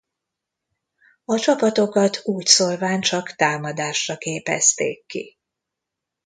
A csapatokat úgyszólván csak támadásra képezték ki.